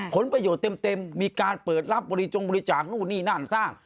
ผลประโยชน์เต็มมีการเปิดรับบริจงบริจาคนู่นนี่นั่นสร้าง